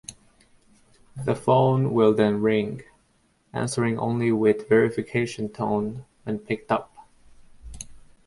The phone will then ring, answering only with a verification tone when picked up.